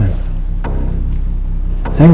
tapi saya juga